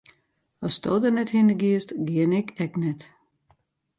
Asto der net hinne giest, gean ik ek net.